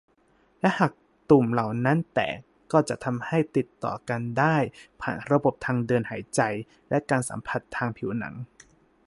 และหากตุ่มเหล่านี้แตกก็จะทำให้ติดต่อกันได้ผ่านระบบทางเดินหายใจ และการสัมผัสทางผิวหนัง